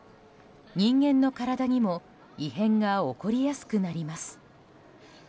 人間の体にも異変が起こりやすくなります。